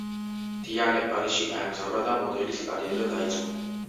დიანე პარიზში გაემგზავრა და მოდელის კარიერა დაიწყო.